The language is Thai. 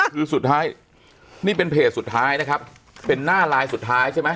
คือสุดท้ายนี่เป็นเพจสุดท้ายนะครับเป็นหน้าลายสุดท้ายใช่ไหม